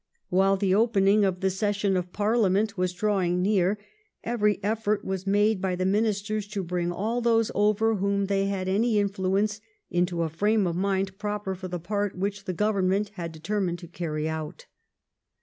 While the opening of the session of Parliament was drawing near, every effort was made by the Ministers to bring all those over whom they had any influence into a frame of mind proper for the part which the Government had determined to carry out.